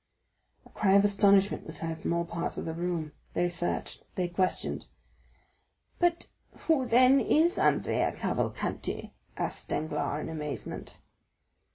A cry of astonishment was heard from all parts of the room. They searched; they questioned. "But who then is Andrea Cavalcanti?" asked Danglars in amazement.